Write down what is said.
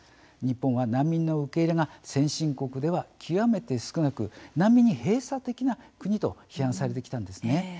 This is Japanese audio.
日本は難民の受け入れが先進国では極めて少なく難民に閉鎖的な国と批判されてきたんですね。